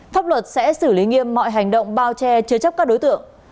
pháp luật sẽ xử lý nghiêm mọi hành động bao che chứa chấp các đối tượng